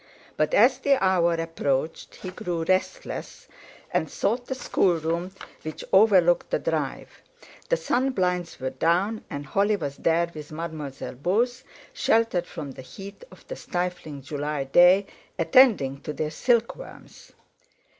But as the hour approached he grew restless, and sought the schoolroom, which overlooked the drive. The sun blinds were down, and Holly was there with Mademoiselle Beauce, sheltered from the heat of a stifling July day, attending to their silkworms.